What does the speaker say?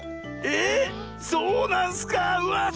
えそうなんすか⁉うわ